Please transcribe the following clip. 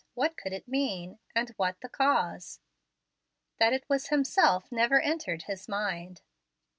What could it mean? and what the cause? That it was himself never entered his mind.